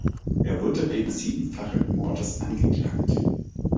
Er wurde wegen siebenfachen Mordes angeklagt.